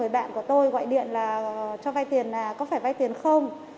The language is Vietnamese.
bạn của tôi gọi điện cho vai tiền là có phải vai tiền không